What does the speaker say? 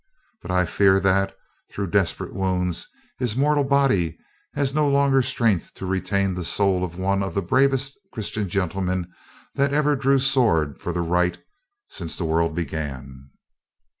But I fear that, through desperate wounds, his mortal body has had no longer strength to retain the soul of one of the bravest Christian gentlemen that ever drew sword for the right since the world began.